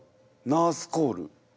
ナースコール。